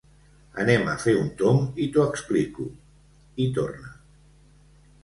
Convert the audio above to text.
Anem a fer un tomb i t'ho explico —hi torna.